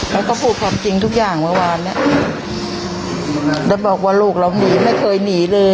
แล้วก็พูดความจริงทุกอย่างเมื่อวานเนี้ยแล้วบอกว่าลูกเราหนีไม่เคยหนีเลย